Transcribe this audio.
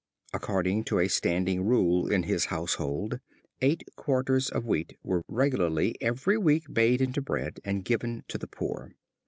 According to a standing rule in his household eight quarters of wheat were regularly every week made into bread and given to the poor.